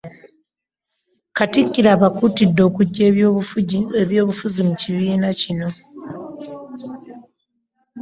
Katikkiro abakuutidde okuggya eby'obufuzi mu kibiina kino.